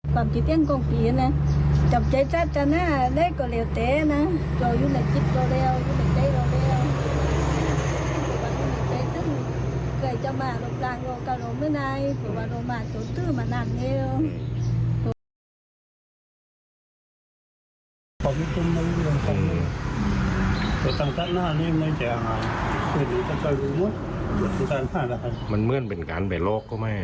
ตั้งศาสนานี่ไม่ใช่อาหารมันเหมือนเป็นการไปโลกก็ไม่